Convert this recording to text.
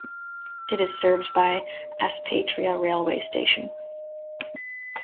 It is served by Aspatria railway station.